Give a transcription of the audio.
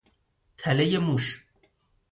تلهٔ موش